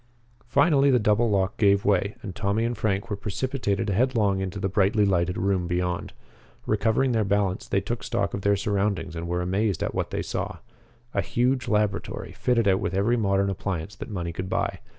Finally the double lock gave way and Tommy and Frank were precipitated headlong into the brightly lighted room beyond. Recovering their balance, they took stock of their surroundings and were amazed at what they saw a huge laboratory, fitted out with every modern appliance that money could buy.